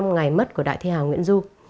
ngày mất của đại thế hào nguyễn du